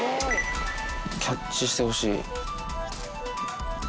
キャッチしてほしい。